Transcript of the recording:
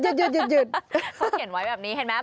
หยุดเขาเขียนไว้แบบนี้เห็นไหม